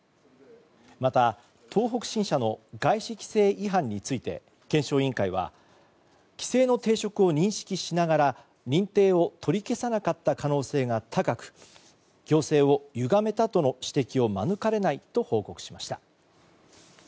また、東北新社の外資規制違反について検証委員会は規制の抵触を認識しながら認定を取り消さなかった可能性が高く行政をゆがめたとの指摘を免れないと指摘しました。